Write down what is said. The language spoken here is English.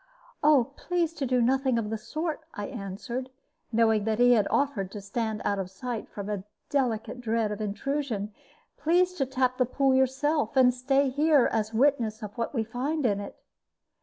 "Please to do nothing of the sort," I answered, knowing that he offered to stand out of sight from a delicate dread of intrusion. "Please to tap the pool yourself, and stay here, as a witness of what we find in it."